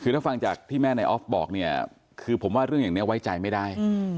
คือถ้าฟังจากที่แม่นายออฟบอกเนี่ยคือผมว่าเรื่องอย่างนี้ไว้ใจไม่ได้